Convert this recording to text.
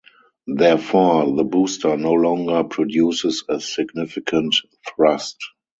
Therefore, the booster no longer produces a significant thrust.